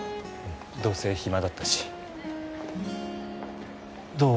どうせ暇だったしどう？